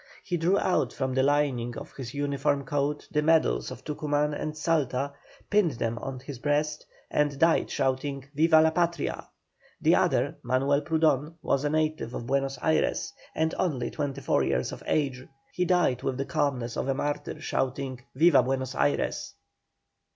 He drew out from the lining of his uniform coat the medals of Tucuman and Salta, pinned them on his breast, and died shouting, "Viva la Patria!" The other, Manuel Prudon, was a native of Buenos Ayres, and only twenty four years of age. He died with the calmness of a martyr, shouting, "Viva Buenos Ayres!"